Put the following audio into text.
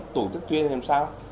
tổ chức chuyên làm sao